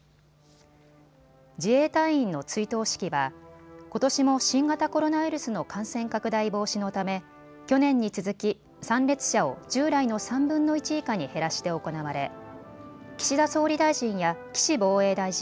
自衛隊員の追悼式はことしも新型コロナウイルスの感染拡大防止のため去年に続き参列者を従来の３分の１以下に減らして行われ岸田総理大臣や岸防衛大臣